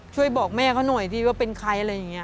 ช่วยบอกแม่เขาหน่อยสิว่าเป็นใครอะไรอย่างนี้